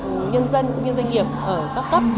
cho nhân dân nhân doanh nghiệp ở các cấp